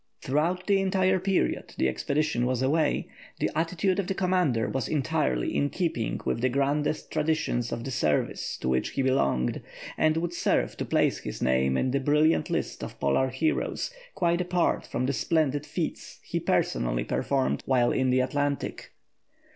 Throughout the entire period the expedition was away, the attitude of the commander was entirely in keeping with the grandest traditions of the service to which he belonged, and would serve to place his name in the brilliant list of Polar heroes quite apart from the splendid feats he personally performed while in the Antarctic.